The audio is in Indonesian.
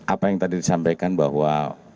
apa yang tadi disampaikan bahwa